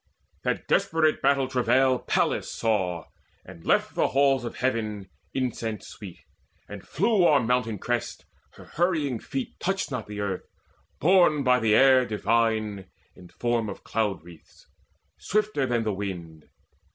That desperate battle travail Pallas saw, And left the halls of Heaven incense sweet, And flew o'er mountain crests: her hurrying feet Touched not the earth, borne by the air divine In form of cloud wreaths, swifter than the wind.